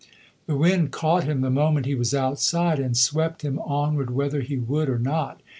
The wind caught him the moment he was outside, and swept him onward whether he would or not.